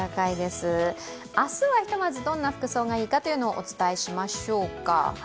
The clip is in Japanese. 明日はひとまずどんな服装がいいのかをお伝えしましょうか。